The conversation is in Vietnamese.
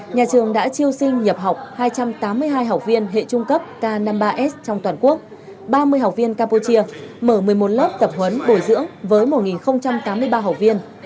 nhà trường đã triêu sinh nhập học hai trăm tám mươi hai học viên hệ trung cấp k năm mươi ba s trong toàn quốc ba mươi học viên campuchia mở một mươi một lớp tập huấn bồi dưỡng với một tám mươi ba học viên